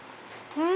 うん！